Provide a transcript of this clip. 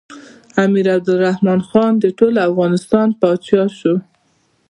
امیر عبدالرحمن خان د ټول افغانستان پاچا شو.